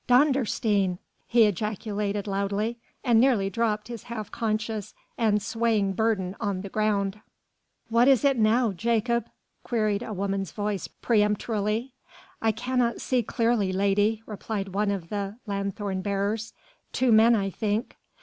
"Dondersteen!" he ejaculated loudly, and nearly dropped his half conscious and swaying burden on the ground. "What is it now, Jakob?" queried a woman's voice peremptorily. "I cannot see clearly, lady," replied one of the lanthorn bearers "two men I think."